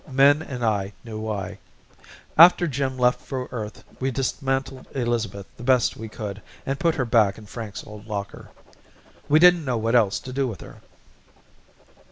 Min and I knew why. After Jim left for Earth we dismantled Elizabeth the best we could and put her back in Frank's old locker. We didn't know what else to do with her.